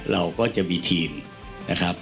เราก็จะมีทีมนะครับ